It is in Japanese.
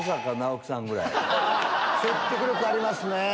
説得力ありますね。